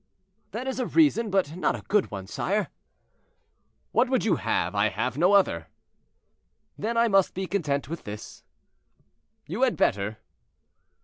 "That is a reason, but not a good one, sire." "What would you have? I have no other." "Then I must be content with this." "You had better."